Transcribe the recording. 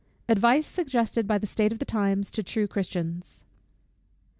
_Advice suggested by the state of the times to true Christians.